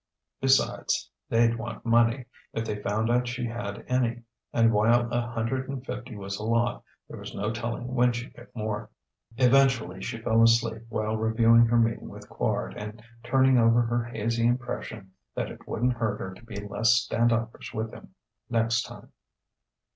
Besides, they'd want money, if they found out she had any; and while a hundred and fifty was a lot, there was no telling when she'd get more. Eventually she fell asleep while reviewing her meeting with Quard and turning over her hazy impression that it wouldn't hurt her to be less stand offish with him, next time.